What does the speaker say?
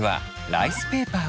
ライスペーパー！？